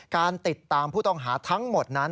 การติดตามผู้ต้องหาทั้งหมดนั้น